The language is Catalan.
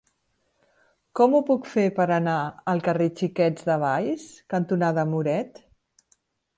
Com ho puc fer per anar al carrer Xiquets de Valls cantonada Muret?